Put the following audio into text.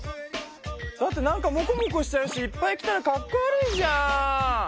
だってなんかモコモコしちゃうしいっぱい着たらかっこ悪いじゃん。